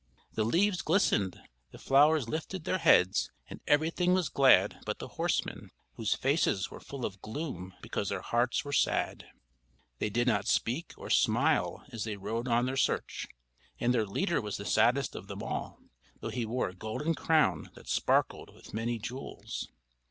The leaves glistened, the flowers lifted their heads, and everything was glad but the horsemen, whose faces were full of gloom because their hearts were sad. They did not speak or smile as they rode on their search; and their leader was the saddest of them all, though he wore a golden crown that sparkled with many jewels.